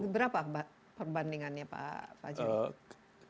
berapa perbandingannya pak fajri